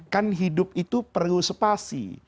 kan hidup itu perlu spasi